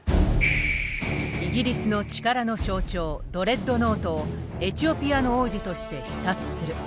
イギリスの力の象徴ドレッドノートをエチオピアの王子として視察する。